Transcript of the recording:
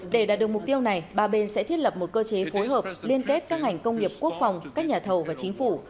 để đạt được mục tiêu này ba bên sẽ thiết lập một cơ chế phối hợp liên kết các ngành công nghiệp quốc phòng các nhà thầu và chính phủ